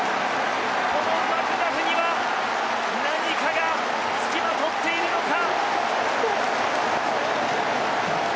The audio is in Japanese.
このマクガフには何かが付きまとっているのか！